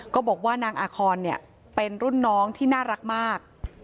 บอกว่านางอาคอนเป็นรุ่นน้องที่น่ารักมาก